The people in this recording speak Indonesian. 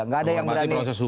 tidak ada yang berani